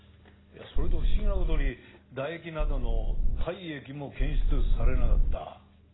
それと不思議な事に唾液などの体液も検出されなかった。